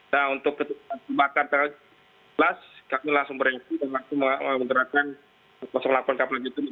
nah untuk tembakan terakhir kelas kami langsung bereaksi dan langsung menggerakkan ke delapan kapal jidul untuk teman teman dari akun